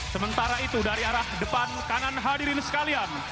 sementara itu dari arah depan kanan hadirin sekalian